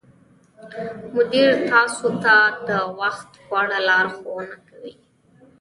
مدیر تاسو ته د وخت په اړه لارښوونه کوي.